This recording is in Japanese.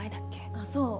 あっそう。